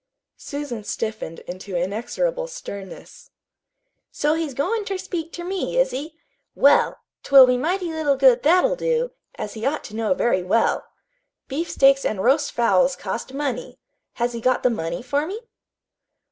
Susan stiffened into inexorable sternness. "So he's goin' ter speak ter me, is he? Well, 't will be mighty little good that'll do, as he ought to know very well. Beefsteaks an' roast fowls cost money. Has he got the money for me?"